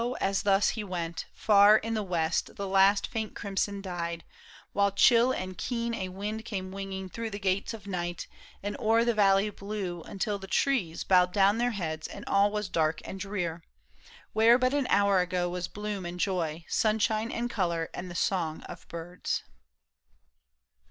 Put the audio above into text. as thus he went, far in the West The last faint crimson died, while chill and keen A wind came winging through the gates of night And o'er the valley blew, until the trees Bowed down their heads and all was dark and drear, Where but an hour ago was bloom and joy. Sunshine and color and the sons; of birds.